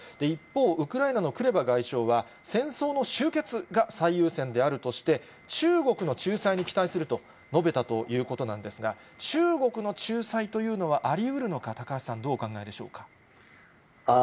一方、ウクライナのクレバ外相は、戦争の終結が最優先であるとして、中国の仲裁に期待すると述べたということなんですが、中国の仲裁というのはありうるのか、高橋さん、どうお考えでしょうか。